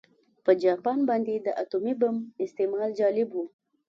په جاپان باندې د اتومي بم استعمال جالب و